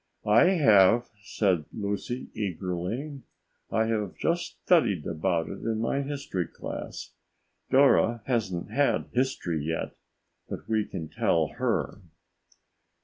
"I have," said Lucy eagerly. "I have just studied about it in my history class. Dora hasn't had history yet, but we can tell her."